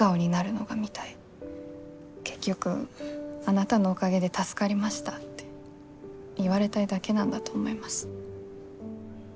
結局あなたのおかげで助かりましたって言われたいだけなんだと思います。